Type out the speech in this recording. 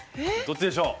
どっちでしょう？